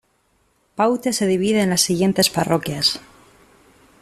Paute se divide en las siguientes parroquias.